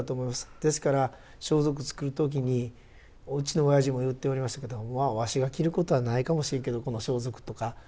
ですから装束作る時にうちの親父も言っておりましたけど「まあわしが着ることはないかもしれんけどこの装束」とか。